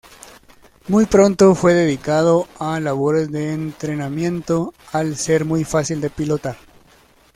Muy pronto fue dedicado a labores de entrenamiento, al ser muy fácil de pilotar.